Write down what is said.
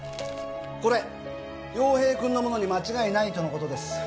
これ陽平くんのものに間違いないとのことです。